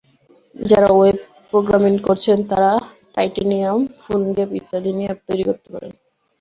যাঁরা web programming করছেন, তাঁরা টাইটেনিয়াম, ফোনগ্যাপ ইত্যাদি দিয়ে অ্যাপ তৈরি করতে পারেন।